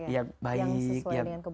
yang sesuai dengan kebutuhan